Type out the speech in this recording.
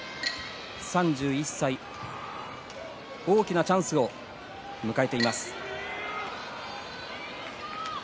３１歳、大きなチャンスを迎えています。